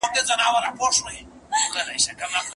شاګرد حق لري چي له استاد سره علمي مخالفت وکړي.